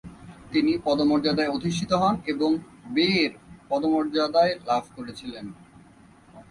তিনি পদমর্যাদায় অধিষ্ঠিত হন এবং বেয়ের মর্যাদায় লাভ করেছিলেন ।